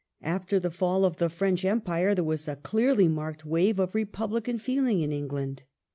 After the fall of the French Empire there was a clearly marked wave of republican feeling in England.